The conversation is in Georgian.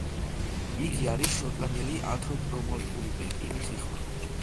იგი არის შოტლანდიელი, ანთროპომორფული პეკინის იხვი.